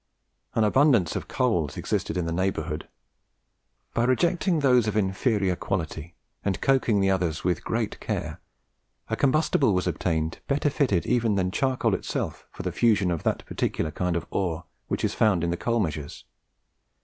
An abundance of coals existed in the neighbourhood: by rejecting those of inferior quality, and coking the others with great care, a combustible was obtained better fitted even than charcoal itself for the fusion of that particular kind of ore which is found in the coal measures.